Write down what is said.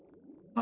あ！